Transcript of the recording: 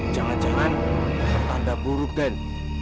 jangan jangan tanda buruk den